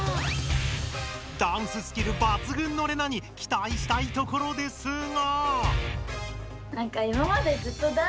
ダンススキルばつぐんのレナにきたいしたいところですが。